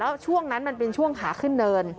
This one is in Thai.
แล้วช่วงนั้นมันเป็นช่วงขาขึ้นเนิน